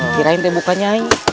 kira kira bukan nyai